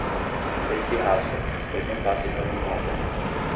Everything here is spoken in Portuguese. Fez pirraça, pois não passa de uma mimada